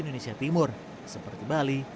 mau sisa dokternya